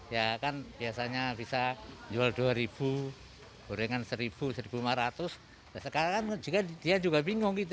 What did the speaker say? ya kan biasanya bisa jual dua ribu gorengan seribu satu lima ratus sekarang kan dia juga bingung gitu